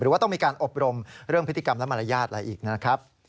ว่าต้องมีการอบรมเรื่องพฤติกรรมและมารยาทอะไรอีกนะครับ